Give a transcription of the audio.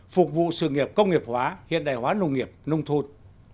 phục vụ sự nghiệp công nghiệp hóa hiện đại hóa nông nghiệp nông thôn